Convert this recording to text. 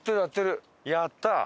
やったー！